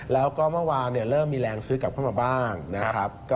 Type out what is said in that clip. แล้วก็เมื่อวานเริ่มมีแรงซื้อกลับเข้ามาบ้างนะครับ